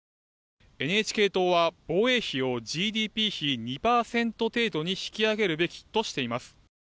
ＮＨＫ党は防衛費をＧＤＰ比２％程度に引き上げるべきとしています。